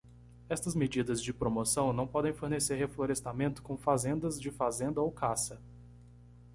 Estas medidas de promoção não podem fornecer reflorestamento com fazendas de fazenda ou caça.